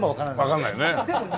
わからないよね。